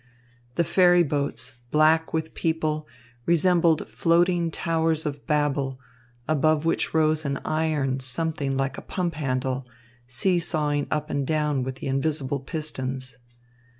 The ferry boats, black with people, resembled floating towers of Babel, above which rose an iron something like a pump handle, seesawing up and down with the invisible pistons.